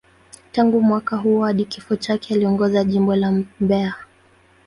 Tangu mwaka huo hadi kifo chake, aliongoza Jimbo la Mbeya.